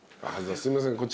すいません。